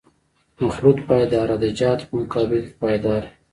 مخلوط باید د عراده جاتو په مقابل کې پایدار وي